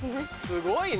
すごいね。